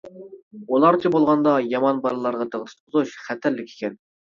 ئۇلارچە بولغاندا «يامان» بالىلارغا تىغ تۇتقۇزۇش خەتەرلىك ئىكەن.